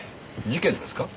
事件ですか？